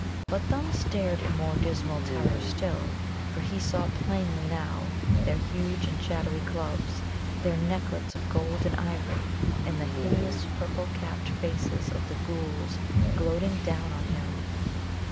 But Thumb stared in more dismal terror still, for he saw plainly now their huge and shadowy clubs, their necklets of gold and ivory, and the hideous, purple capped faces of the ghouls gloating down on him.